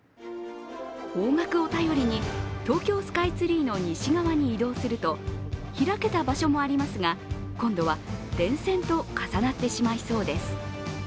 方角を頼りに、東京スカイツリーの西側に移動すると開けた場所もありますが、今度は電線と重なってしまいそうです。